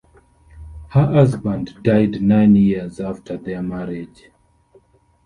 Her husband died nine years after their marriage.